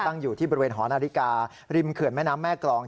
อยู่ที่บริเวณหอนาฬิการิมเขื่อนแม่น้ำแม่กรอง